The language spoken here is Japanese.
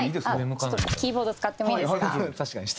ちょっとキーボード使ってもいいですか？